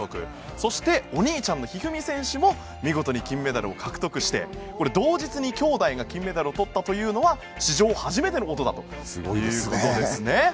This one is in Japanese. そしてお兄ちゃんの一二三選手も見事に金メダルを獲得して同日に兄妹が金メダルをとったというのは史上初めてのことだということですよね。